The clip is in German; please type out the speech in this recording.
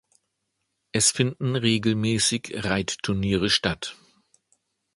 Es finden regelmäßig Reitturniere statt.